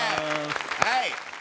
はい。